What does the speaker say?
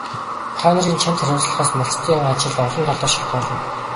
Та нарын чанд хариуцлагаас малчдын ажил олон талаар шалтгаална.